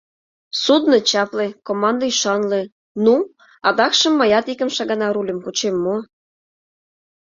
Судно чапле, команда ӱшанле, ну, адакшым мыят икымше гана рульым кучем мо?